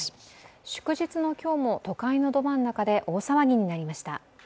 祝日の今日も都会のど真ん中で大騒ぎになりました。